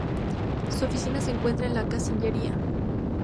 Su oficina se encuentra en la "cancillería".